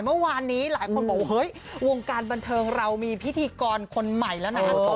เมื่อวานนี้หลายคนบอกเฮ้ยวงการบันเทิงเรามีพิธีกรคนใหม่แล้วนะ